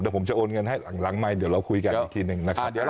เดี๋ยวผมจะโอนเงินให้หลังไมค์เดี๋ยวเราคุยกันอีกทีหนึ่งนะครับ